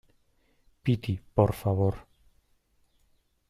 piti, por favor.